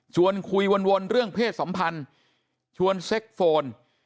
คุยวนเรื่องเพศสัมพันธ์ชวนเซ็กโฟน